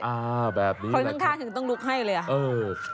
อ่าแบบนี้แหละครับ